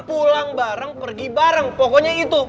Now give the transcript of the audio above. pulang bareng pergi bareng pokoknya itu